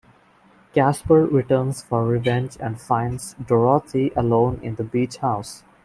Caspar returns for revenge and finds Dorothy alone in the beach house.